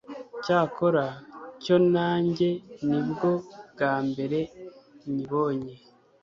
cyakora cyo nanjye nibwo bwambere nyibonye